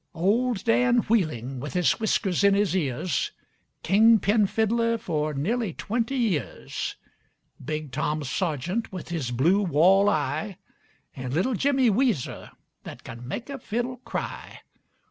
Old Dan Wheeling, with his whiskers in his ears, King pin fiddler for nearly twenty years. Big Tom Sergeant, with his blue wall eye, An' Little Jimmy Weezer that can make a fiddle cry.